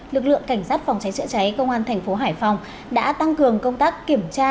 lực lượng cảnh sát phòng cháy chữa cháy công an thành phố hải phòng đã tăng cường công tác kiểm tra